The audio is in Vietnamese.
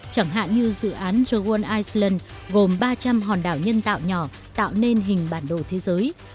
chẳng hạn như dự án dragon island gồm ba trăm linh hòn đảo nhân tạo nhỏ tạo nên hình bản đồ thế giới